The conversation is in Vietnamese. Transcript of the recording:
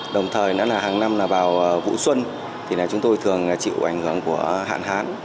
đồng thời nữa là hàng năm là vào vụ xuân thì chúng tôi thường chịu ảnh hưởng của hạn hán